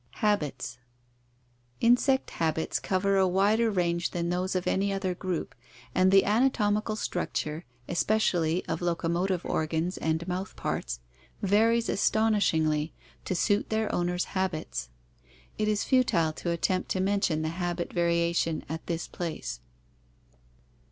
Habits. — Insect habits cover a wider range than those of any other group, and the anatomical structure, especially of locomotive organs and mouth parts, varies astonishingly to suit their owner's habits. It is futile to attempt to mention the habit variation at this place.